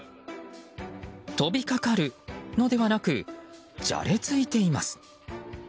飛びかかるのではなくじゃれついています。